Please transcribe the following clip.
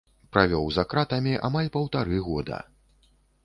Правёў за кратамі амаль паўтары года.